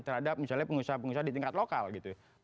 terhadap misalnya pengusaha pengusaha di tingkat lokal gitu ya